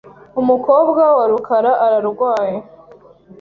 Umukobwa wa rukara ararwaye .